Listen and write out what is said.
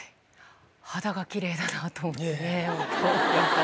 肌がきれいだなと思ってね、本当。